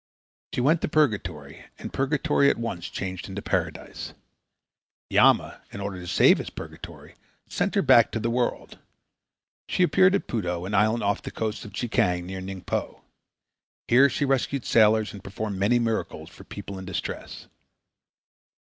She went to purgatory and purgatory at once changed into paradise. Yama, in order to save his purgatory, sent her back to the world. She appeared at Puto, an island off the coast of Chekiang near Ningpo. Here she rescued sailors and performed many miracles for people in distress.